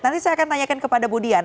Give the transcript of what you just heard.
nanti saya akan tanyakan kepada budian